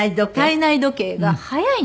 体内時計が早いんです。